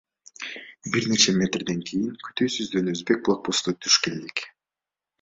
Бир нече метрден кийин күтүүсүздөн өзбек блокпостуна туш келдик.